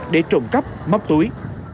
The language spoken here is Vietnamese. để trộm cắp móc túi